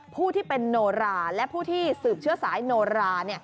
ผู้ที่เป็นโนราและผู้ที่สืบเชื้อสายโนรา